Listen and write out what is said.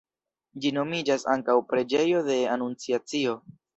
Ĝi nomiĝas ankaŭ "preĝejo de Anunciacio".